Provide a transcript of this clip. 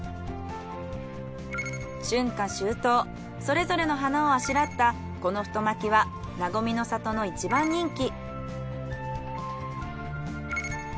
春夏秋冬それぞれの花をあしらったこの太巻きはなごみの里の一番人気。